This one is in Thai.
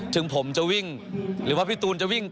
ถึงผมจะวิ่งหรือว่าพี่ตูนจะวิ่ง